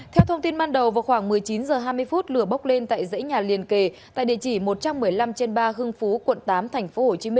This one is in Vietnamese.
theo thông tin ban đầu vào khoảng một mươi chín h hai mươi phút lửa bốc lên tại dãy nhà liền kề tại địa chỉ một trăm một mươi năm trên ba hưng phú quận tám tp hcm